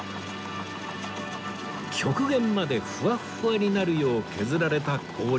極限までフワッフワになるよう削られた氷を